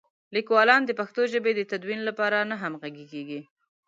لیکوالان د پښتو ژبې د تدوین لپاره نه همغږي کېږي.